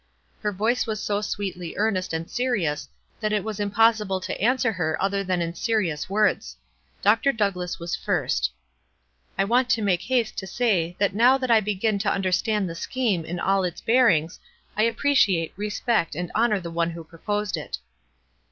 Her voice was so sweetly earnest and serious that it was im possible to answer her other than in serious words. Dr. Douglass was first : WISE AND OTHERWISE. 221 W I want to make haste to say that now that I begin to understand the scheme in all its bear ings, I appreciate, respect, and honor the one who proposed it."